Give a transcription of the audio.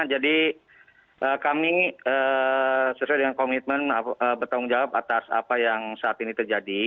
jadi kami sesuai dengan komitmen bertanggung jawab atas apa yang saat ini terjadi